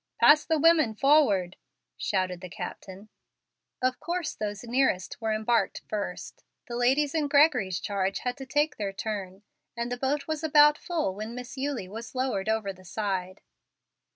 "Pass the women forward," shouted the captain. Of course those nearest were embarked first. The ladies in Gregory's charge had to take their turn, and the boat was about full when Miss Eulie was lowered over the side.